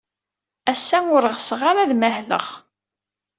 Ass-a, ur ɣseɣ ara ad mahleɣ.